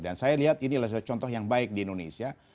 dan saya lihat ini adalah contoh yang baik di indonesia